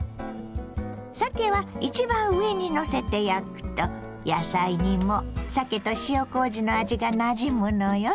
さけは一番上にのせて焼くと野菜にもさけと塩こうじの味がなじむのよ。